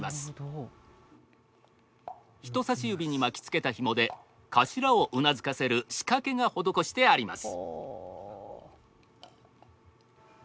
人さし指に巻きつけたひもで頭をうなずかせる仕掛けが施してあります。